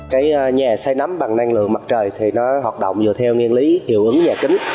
cái nhà xây nấm bằng năng lượng mặt trời thì nó hoạt động dựa theo nguyên lý hiệu ứng nhà kính